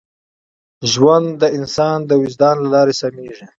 ژوند د انسان د وجدان له لارې سمېږي.